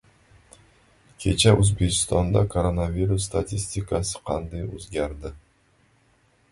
Kecha O‘zbekistonda koronavirus statistikasi qanday o‘zgardi?